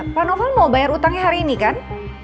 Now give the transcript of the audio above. pak noval mau bayar utangnya hari ini kan